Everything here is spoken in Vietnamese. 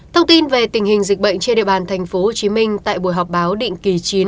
thông tin về tình hình dịch bệnh trên địa bàn tp hcm tại buổi họp báo định kỳ chín